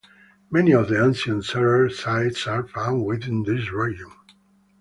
Many of the ancient Serer sites are found within this region.